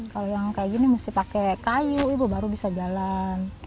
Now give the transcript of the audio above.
kalau yang kayak gini mesti pakai kayu ibu baru bisa jalan